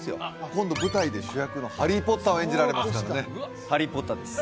今度舞台で主役のハリー・ポッターを演じられますからねハリー・ポッターです